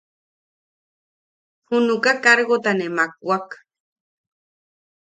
Junuka kargota ne makwak.